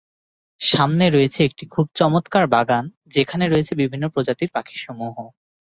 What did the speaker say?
সামনে রয়েছে একটি খুব চমৎকার বাগান, যেখানে রয়েছে বিভিন্ন প্রজাতির পাখি সমূহ।